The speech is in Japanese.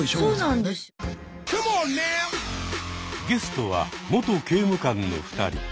ゲストは「元刑務官」の２人。